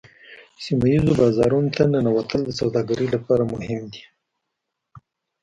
سیمه ایزو بازارونو ته ننوتل د سوداګرۍ لپاره مهم دي